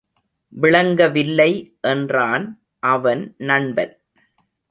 விளங்கவில்லை என்றான் அவன் நண்பன்.